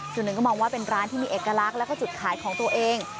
หนึ่งก็มองว่าเป็นร้านที่มีเอกลักษณ์แล้วก็จุดขายของตัวเอง